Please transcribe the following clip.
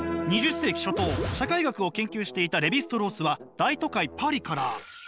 ２０世紀初頭社会学を研究していたレヴィ＝ストロースは大都会パリから。